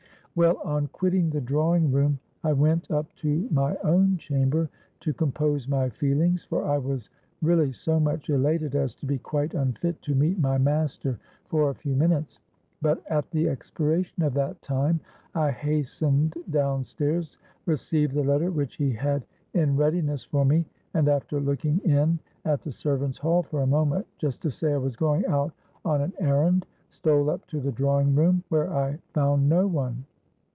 Well, on quitting the drawing room, I went up to my own chamber, to compose my feelings; for I was really so much elated as to be quite unfit to meet my master for a few minutes. But at the expiration of that time I hastened down stairs, received the letter which he had in readiness for me, and, after looking in at the servants' hall for a moment, just to say I was going out on an errand, stole up to the drawing room, where I found no one.